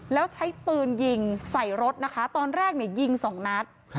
แล้วใช้ปืนยิงใส่รถนะคะตอนแรกยิงสองนัด